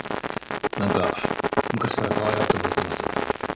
なんか昔からかわいがってもらってます。